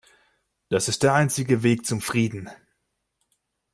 Das ist der einzige Weg zum Frieden.